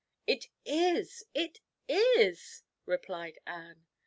"It is it is!" replied Anne.